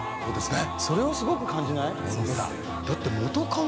それをすごく感じない？